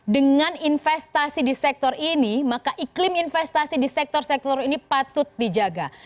dengan investasi di sektor ini maka iklim investasi di sektor sektor ini patut dijaga